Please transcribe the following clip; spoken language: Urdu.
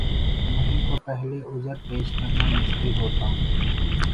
نہیں تو پہلے عذر پیش کرنا مشکل ہوتا۔